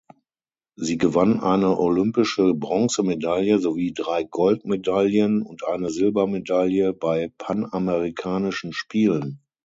Sie gewann eine olympische Bronzemedaille sowie drei Goldmedaillen und eine Silbermedaille bei Panamerikanischen Spielen.